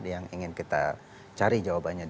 yang ingin kita cari jawabannya